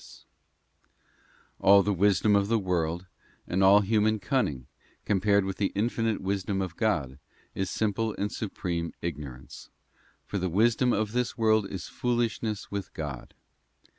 Wisdom, All the wisdom of the world, and all human cunning, com pared with the infinite Wisdom of God, is simple and supreme ignorance, 'for the wisdom~of this world is foolishness with God.